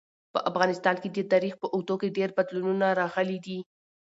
په افغانستان کي د تاریخ په اوږدو کي ډېر بدلونونه راغلي دي.